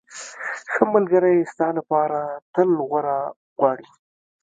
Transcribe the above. ښه ملګری ستا لپاره تل غوره غواړي.